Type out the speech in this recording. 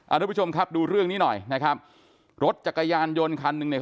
ทุกผู้ชมครับดูเรื่องนี้หน่อยนะครับรถจักรยานยนต์คันหนึ่งเนี่ย